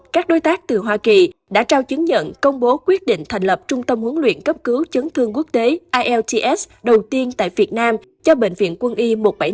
các đối tác từ hoa kỳ đã trao chứng nhận công bố quyết định thành lập trung tâm huấn luyện cấp cứu chấn thương quốc tế ielts đầu tiên tại việt nam cho bệnh viện quân y một trăm bảy mươi năm